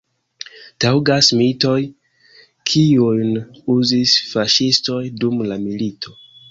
Taŭgas mitoj, kiujn uzis faŝistoj dum la milito.